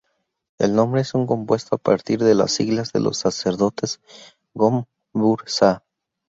El nombre es un compuesto a partir de las siglas de los sacerdotes: Gom-Bur-Za.